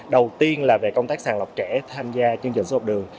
đầu tiên là về công tác sàng lọc trẻ tham gia chương trình sữa học đường